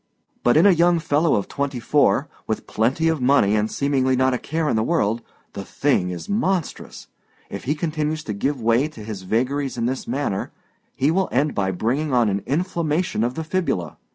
But in a young fellow of twenty four, with plenty of money and seemingly not a care in the world, the thing is monstrous. If he continues to give way to his vagaries in this manner, he will end by bringing on an inflammation of the fibula.